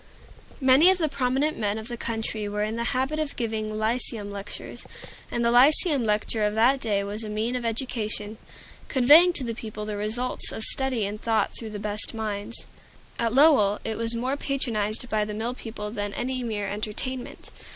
Many of the prominent men of the country were in the habit of giving Lyceum lectures, and the Lyceum lecture of that day was a means of education, conveying to the people the results of study and thought through the best minds. At Lowell it was more patronized by the mill people than any mere entertainment.